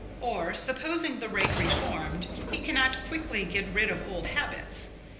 Or, supposing the rake reformed, he cannot quickly get rid of old habits.